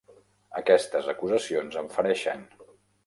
Aquestes acusacions em fereixen.